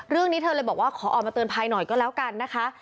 เรื่องนี้เธอเลยบอกว่าขอออกมาเตือนภัยหน่อยก็แล้วกันนะคะ